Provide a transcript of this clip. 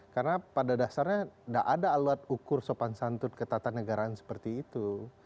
karena pada dasarnya tidak ada alat ukur sopan santun ketatanegaraan seperti itu